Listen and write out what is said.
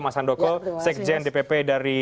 mas handoko sekjen dpp dari